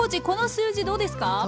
この数字どうですか？